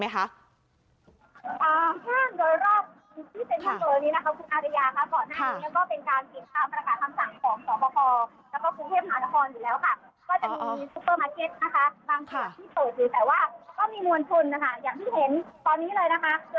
มีการแจ้งว่าจะเคลื่อนเป็นความรอบค่ะ